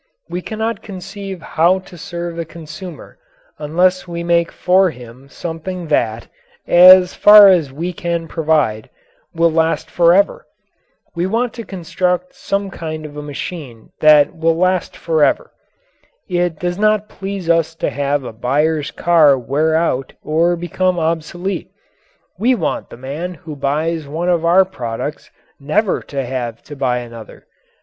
We cannot conceive how to serve the consumer unless we make for him something that, as far as we can provide, will last forever. We want to construct some kind of a machine that will last forever. It does not please us to have a buyer's car wear out or become obsolete. We want the man who buys one of our products never to have to buy another.